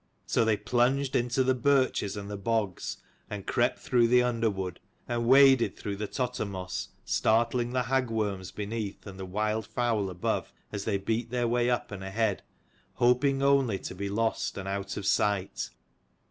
So they plunged into the birches and the bogs, and crept through the underwood, and waded through the tottermoss, startling the hag worms beneath and the wild fowl above, as they beat their way up and ahead, hoping only to be lost and out of sight.